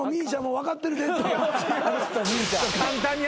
分かってる。